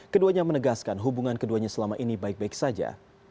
keduanya menegaskan hubungan keduanya selama ini baik baik saja